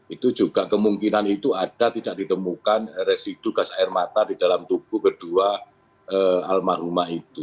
itu juga kemungkinan itu ada tidak ditemukan residu gas air mata di dalam tubuh kedua almarhumah itu